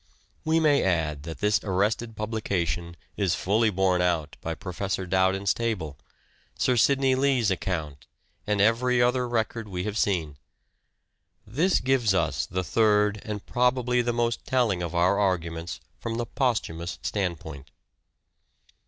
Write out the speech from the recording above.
We may add that this arrested publication is fully borne out by Professor Dowden's table, Sir Sidney Lee's account, and every other record we have seen. This gives us the third and probably the most telling of our arguments from the posthumous standpoint.